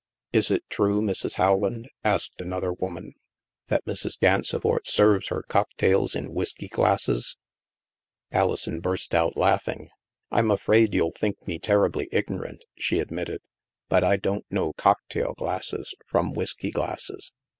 *' Is it true, Mrs. Rowland," asked another woman, " that Mrs. Gansevoort serves her cocktails in whisky glasses ?" Alison burst out laughing. " I'm afraid you'll think me terribly ignorant," she admitted, " but I don't know cocktail glasses THE MAELSTROM 177 from whisky glasses.